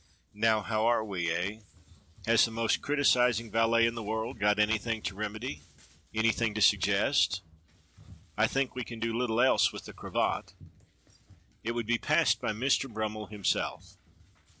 Now how are we, eh? Has the most criticising valet in the world got anything A MILITARY LADY KILLER 269 to remedy, anything to suggest? I think we can do Httle else with the cravat?" "It would be passed by Mister Brummel himself."